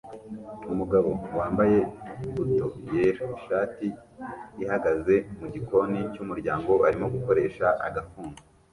Umugabo wambaye buto yera ishati ihagaze mugikoni cyumuryango arimo gukoresha agafuni